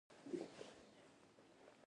د اسلام دین مکمل رواج هغه مهال پیل شو.